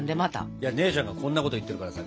いや姉ちゃんがこんなこと言ってるからさ。